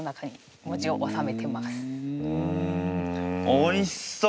おいしそう！